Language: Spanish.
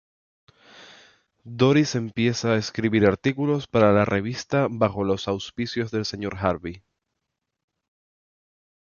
Doris Empieza a escribir artículos para la revista bajo los auspicios del Señor Harvey.